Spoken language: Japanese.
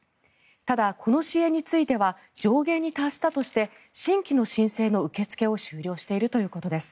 ただ、この支援については上限に達したとして新規の申請の受け付けを終了しています。